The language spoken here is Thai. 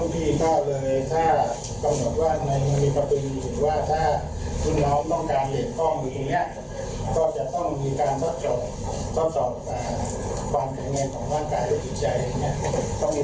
มีรุ่นน้อง๓คนที่เขาต้องการที่อยากจะได้